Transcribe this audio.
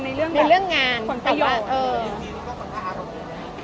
ในเรื่องงานขนตำรวจ